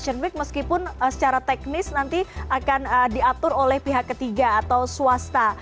kemudian memiliki merek cita fashion week meskipun secara teknis mungkin akan diatur oleh pihak ketiga atau swasta